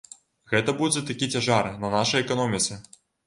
Гэта будзе такі цяжар на нашай эканоміцы.